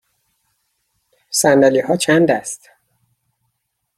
صندلی ها چند است؟